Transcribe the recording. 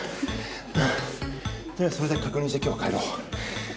とりあえずそれだけ確認して今日は帰ろう。